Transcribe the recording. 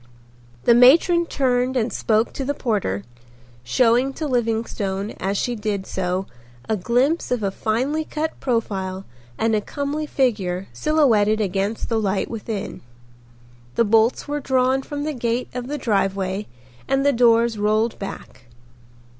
The matron turned and spoke to the porter, showing to Livingstone, as she did so, a glimpse of a finely cut profile and a comely figure silhouetted against the light within. The bolts were drawn from the gate of the driveway and the doors rolled back.